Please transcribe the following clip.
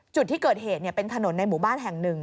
จุดที่เกิดเหตุเป็นถนนในหมู่บ้านแห่งหนึ่ง